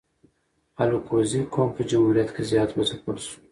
الکوزي قوم په جمهوریت کی زیات و ځپل سو